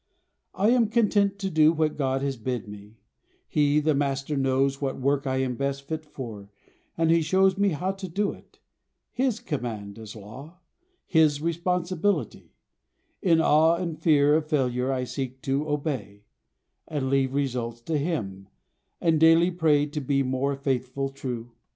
I am content to do What God has bid me: He, the Master, knows What work I am best fit for, and He shows Me how to do it. His command is law; His the responsibility. In awe And fear of failure, I seek to obey And leave results to Him, and daily pray To be more faithful, true.